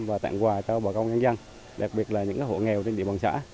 và tặng quà cho bà con nhân dân đặc biệt là những hộ nghèo trên địa bàn xã